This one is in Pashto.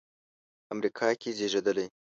امریکا کې زېږېدلی.